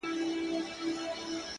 ته له ناموس څخه دپښتنو